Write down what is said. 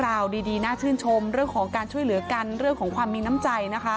ราวดีน่าทื่นชมเรื่องของการช่วยเหลือกันเรื่องของความมี